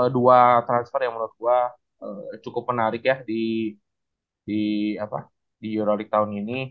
dua transfer yang menurut gue cukup menarik ya di eurolic tahun ini